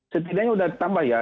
setidaknya sudah ditambah ya